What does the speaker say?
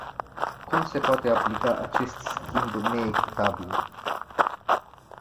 Cum se poate aplica acest schimb neechitabil?